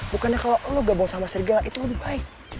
bukannya kalau lo gabung sama serga itu lebih baik